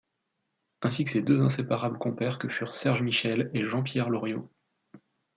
Ainsi que ses deux inséparables compères que furent Serge Michel et Jean-Pierre Loriot.